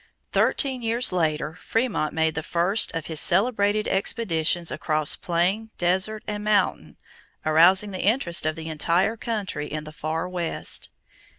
Thirteen years later Frémont made the first of his celebrated expeditions across plain, desert, and mountain, arousing the interest of the entire country in the Far West.